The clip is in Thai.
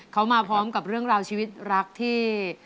เขามาพร้อมกับเรื่องราวชีวิตรักที่